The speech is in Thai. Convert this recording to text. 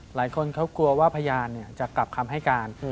หลายคนเขากลัวว่าพยานจะกลับคำให้การ